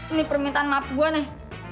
ini permintaan maaf gue nih